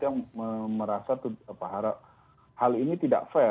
yang merasa hal ini tidak fair